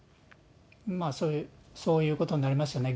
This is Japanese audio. まあ、そういうことになりますよね。